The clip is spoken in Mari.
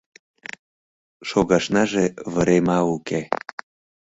Шогашнаже вырема уке.